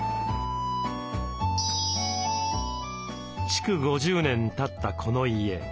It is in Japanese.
築５０年たったこの家。